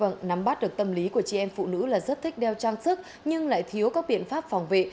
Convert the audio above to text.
vâng nắm bắt được tâm lý của chị em phụ nữ là rất thích đeo trang sức nhưng lại thiếu các biện pháp phòng vệ